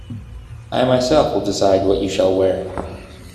I myself will decide what you shall wear.